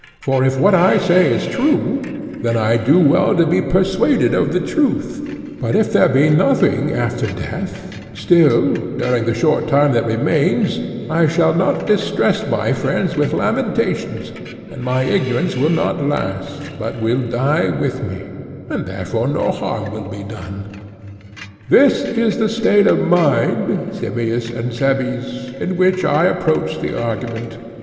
For if what I say is true, then I do well to be persuaded of the truth, but if there be nothing after death, still, during the short time that remains, I shall not distress my friends with lamentations, and my ignorance will not last, but will die with me, and therefore no harm will be done. This is the state of mind, Simmias and Cebes, in which I approach the argument.